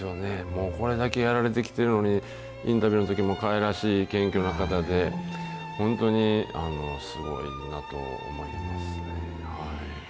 もうこれだけやられてきてるのに、インタビューのときもかわいらしい謙虚な方で、本当にすごいなと思いますね。